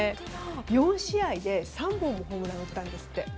４試合で３本もホームランを打ったんですって。